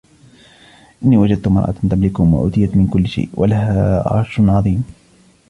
إِنِّي وَجَدْتُ امْرَأَةً تَمْلِكُهُمْ وَأُوتِيَتْ مِنْ كُلِّ شَيْءٍ وَلَهَا عَرْشٌ عَظِيمٌ